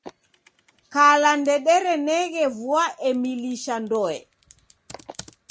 Kala ndedereneghe vua emilisha ndoe.